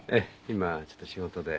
今ちょっと仕事で。